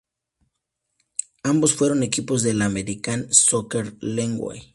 Ambos fueron equipos de la American Soccer League.